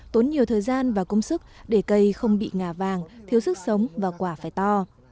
tốn nhiều thời gian và công sức để cây không bị ngà vàng thiếu sức sống và quả phải to